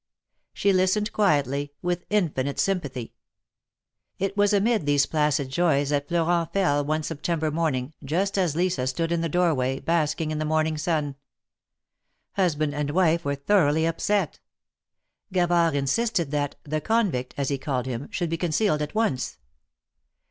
She listened quietly, with infinite sympathy. It was amid these placid joys that Florent fell one Sep tember morning, just as Lisa stood in the door way, basking in the morning sun. Husband and wife were thoroughly upset. Gavard insisted that ^^the convict,'' as he called him, should be concealed at once.